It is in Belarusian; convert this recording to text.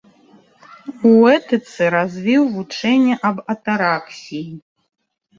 У этыцы развіў вучэнне аб атараксіі.